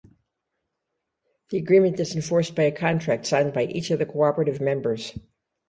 The agreement is enforced by a contract signed by each of the cooperative members.